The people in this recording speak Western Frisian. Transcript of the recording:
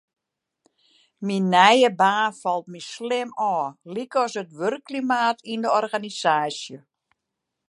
Myn nije baan falt my slim ôf, lykas it wurkklimaat yn de organisaasje.